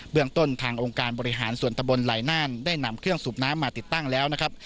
เรื่องต้นทางองค์การบริหารส่วนตะบนไหลน่านได้นำเครื่องสูบน้ำมาติดตั้งแล้วนะครับ